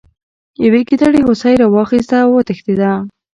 یوې ګیدړې هوسۍ راواخیسته او وتښتیده.